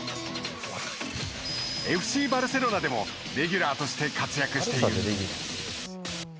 ＦＣバルセロナでもレギュラーとして活躍している。